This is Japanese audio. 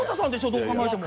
どう考えても。